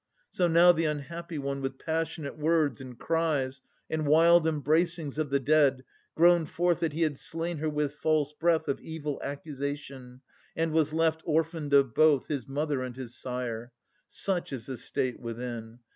So now the unhappy one, with passionate words And cries and wild embracings of the dead, Groaned forth that he had slain her with false breath Of evil accusation, and was left Orphaned of both, his mother and his sire. Such is the state within.